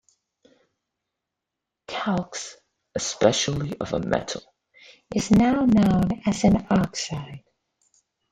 Calx, especially of a metal, is now known as an oxide.